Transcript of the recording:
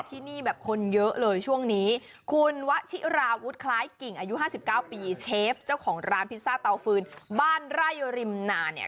ที่นี่แบบคนเยอะเลยช่วงนี้คุณวชิราวุฒิคล้ายกิ่งอายุ๕๙ปีเชฟเจ้าของร้านพิซซ่าเตาฟืนบ้านไร่ริมนาเนี่ย